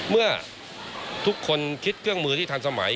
เมื่อทุกคนคิดเครื่องมือที่ทันสมัย